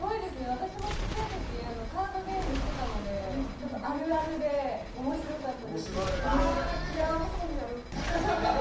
私もちっちゃい時カードゲームしてたのであるあるで面白かったです。